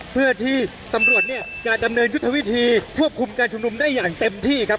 เพื่อที่ตำรวจเนี่ยจะดำเนินยุทธวิธีควบคุมการชุมนุมได้อย่างเต็มที่ครับ